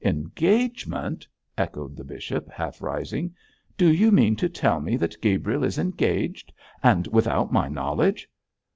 'Engagement!' echoed the bishop, half rising, 'do you mean to tell me that Gabriel is engaged, and without my knowledge!'